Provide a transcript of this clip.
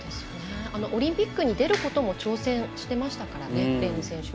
オリンピックに出ることも挑戦してましたから、レーム選手。